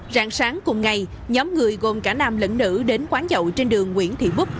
rạng sáng cùng ngày nhóm người gồm cả nam lẫn nữ đến quán dậu trên đường nguyễn thị bức